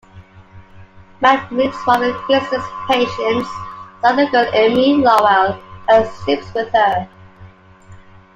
Matt meets one of Christian's patients, Southern girl Emme Lowell, and sleeps with her.